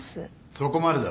そこまでだ。